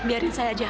biarin saya aja